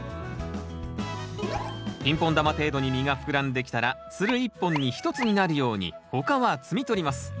ピンポン玉程度に実が膨らんできたらつる１本に１つになるように他は摘み取ります。